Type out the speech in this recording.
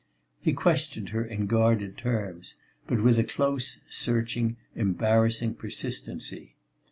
He questioned her in guarded terms, but with a close, searching, embarrassing persistency.